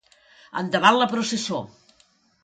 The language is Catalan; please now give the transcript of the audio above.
Endavant la processó.